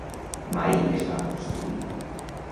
Mai es va construir.